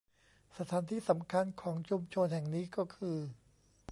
สถานที่สำคัญของชุมชนแห่งนี้ก็คือ